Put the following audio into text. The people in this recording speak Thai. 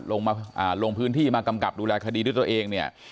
ลงพื้นที่มากำกับดูแลคดีด้วยตัวเองเนี่ย